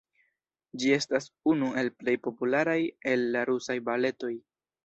Ĝi estas unu el plej popularaj el la Rusaj Baletoj.